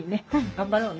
頑張ろうね。